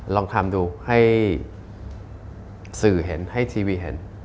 ลองทำดูให้สื่อเห็นให้ทีวีเห็น